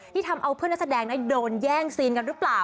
ทำเอาเพื่อนนักแสดงโดนแย่งซีนกันหรือเปล่า